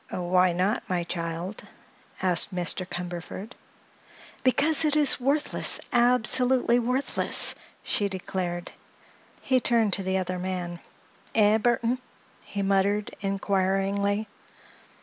"Why not, my child?" asked Mr. Cumberford. "Because it is worthless—absolutely worthless!" she declared. He turned to the other man. "Eh, Burthon?" he muttered, inquiringly.